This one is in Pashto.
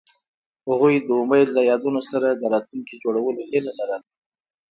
هغوی د امید له یادونو سره راتلونکی جوړولو هیله لرله.